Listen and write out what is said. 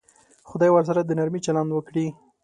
خدای ورسره د نرمي چلند وکړي.